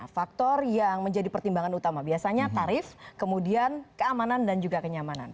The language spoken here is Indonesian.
faktor yang menjadi pertimbangan utama biasanya tarif kemudian keamanan dan juga kenyamanan